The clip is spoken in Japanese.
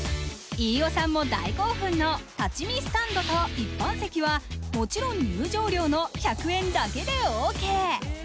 飯尾さんも大興奮の立ち見スタンドと一般席はもちろん入場料の１００円だけでオーケー。